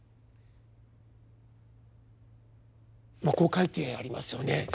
まあこう書いてありますよね。